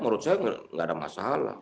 menurut saya nggak ada masalah